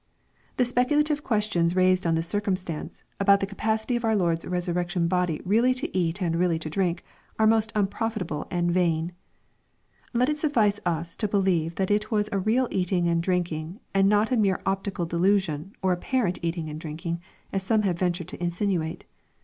] The speculative questions raised on this circumstance, about the capacity of our Lord's resurrection body really to eat and really to drink, are most unprofitable and vain Let it suffice us to believe that it was a real eating and drinking, and not a mere optical delusion, or apparent eating and drinking, as some have ventured to insinuate.